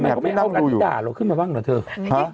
ก็ต้องเอาหนังนั้นด่าเราขึ้นมาบ้างเถอะเถอะเฮ้อฮ่ะ